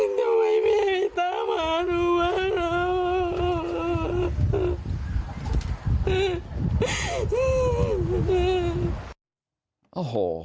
ทำไมไม่ให้ตามหาดูวะ